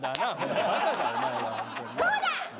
そうだ！